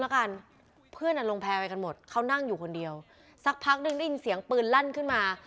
เค้านั่งอยู่คนเดียวสักพักนึงได้ยินเสียงปืนลาขึ้นมา